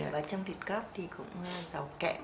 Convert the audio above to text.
và trong thịt cóc thì cũng giàu kẽm